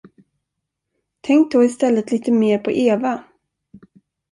Tänk då i stället litet mer på Eva.